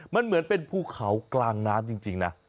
มันเหมือนเป็นภูเขากลางน้ำจริงนะ